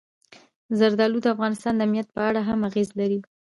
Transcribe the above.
زردالو د افغانستان د امنیت په اړه هم اغېز لري.